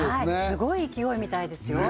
スゴい勢いみたいですよ